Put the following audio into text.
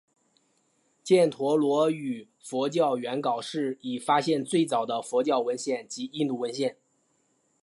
犍陀罗语佛教原稿是已发现最早的佛教文献及印度文献。